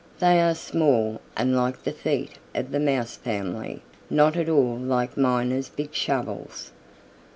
They are small and like the feet of the Mouse family, not at all like Miner's big shovels.